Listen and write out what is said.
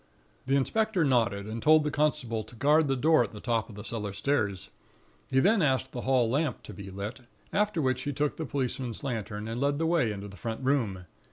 "The inspector nodded, and told the constable to guard the door at the top of the cellar stairs. He then asked the hall lamp to be lit, after which he took the policeman's lantern, and led the way into the front room.